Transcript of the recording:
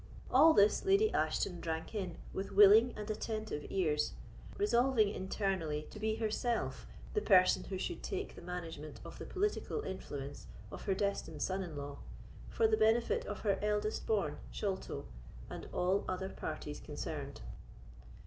All this Lady Ashton drank in with willing and attentive ears, resolving internally to be herself the person who should take the management of the political influence of her destined son in law, for the benefit of her eldest born, Sholto, and all other parties concerned.